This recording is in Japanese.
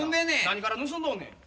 何から盗んどんねん？